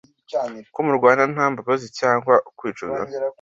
Ko murwana nta mbabazi cyangwa kwicuza